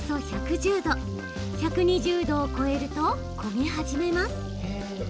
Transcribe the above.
１２０度を超えると焦げ始めます。